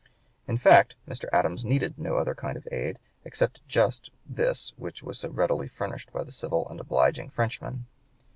In fact, Mr. Adams needed no other kind of aid except just this which was so readily furnished by the civil and obliging Frenchman.